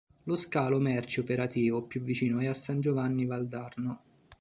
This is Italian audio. Lo scalo merci operativo più vicino è a San Giovanni Valdarno.